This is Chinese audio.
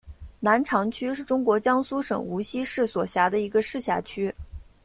南长区是中国江苏省无锡市所辖的一个市辖区。